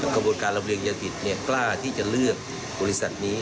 กระบวนการลำเรียงยาผิดกล้าที่จะเลือกบริษัทนี้